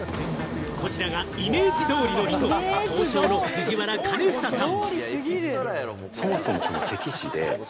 こちらがイメージ通りの人・刀匠の藤原兼房さん。